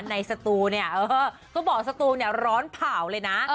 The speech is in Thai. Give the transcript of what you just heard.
สตูเนี่ยก็บอกสตูเนี่ยร้อนเผ่าเลยนะ